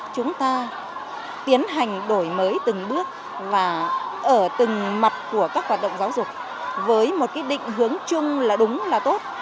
chúng ta tiến hành đổi mới từng bước và ở từng mặt của các hoạt động giáo dục với một định hướng chung là đúng là tốt